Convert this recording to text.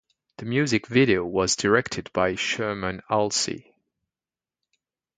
The music video was directed by Sherman Halsey.